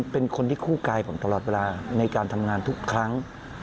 เป็นคนที่คู่กายผมตลอดเวลาในการทำงานทุกครั้ง